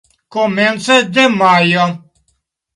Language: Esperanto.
Komence de majo.